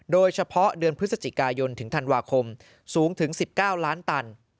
โดยเฉพาะเดือนพฤศจิกายนถึงธันวาคมสูงถึง๑๙ล้านตัน